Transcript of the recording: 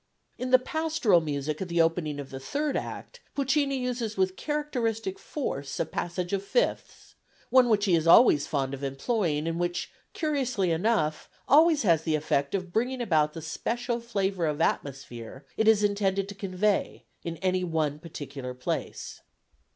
In the pastoral music at the opening of the third act Puccini uses with characteristic force a passage of fifths one which he is always very fond of employing, and which, curiously enough, always has the effect of bringing about the special flavour or atmosphere it is intended to convey in any one particular place.